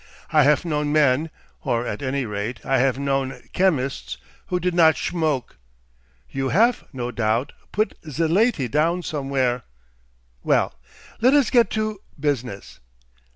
I haf known men or at any rate, I haf known chemists who did not schmoke. You haf, no doubt, put ze laty down somewhere. Well. Let us get to business.